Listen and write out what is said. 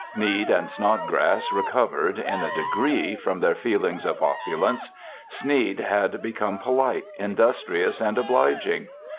Sneed and Snodgrass recovered, in a degree, from their feeling of opulence. Sneed had become polite, industrious and obliging.